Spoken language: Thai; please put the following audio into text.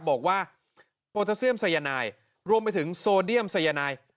บอกว่าโปรเทสเซียมไซยาไนรวมไปถึงโซเดียมไซยาไน